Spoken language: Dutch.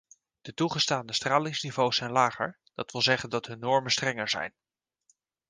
De toegestane stralingsniveaus zijn lager, dat wil zeggen dat hun normen strenger zijn.